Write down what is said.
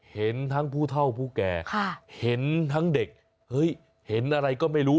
เห็นทั้งผู้เท่าผู้แก่เห็นทั้งเด็กเฮ้ยเห็นอะไรก็ไม่รู้